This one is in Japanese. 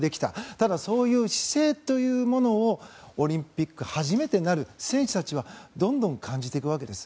ただ、そういう姿勢というものをオリンピック初めてになる選手たちはどんどん感じていくわけです。